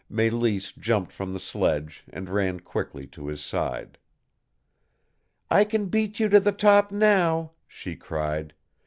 Mélisse jumped from the sledge and ran quickly to his side. "I can beat you to the top now!" she cried.